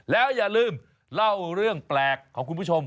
แล้วอย่าลืมเล่าเรื่องแปลกของคุณผู้ชม